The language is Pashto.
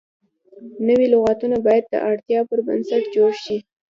نوي لغتونه باید د اړتیا پر بنسټ جوړ شي.